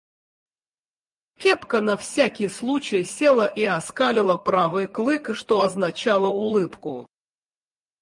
Кепка на всякий случай села и оскалила правый клык, что означало улыбку.